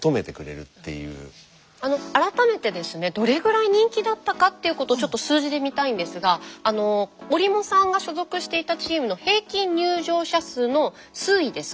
改めてですねどれぐらい人気だったかっていうことをちょっと数字で見たいんですが折茂さんが所属していたチームの平均入場者数の推移です